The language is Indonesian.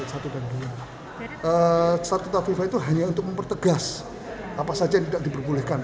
startuta fifa itu hanya untuk mempertegas apa saja yang tidak diperbolehkan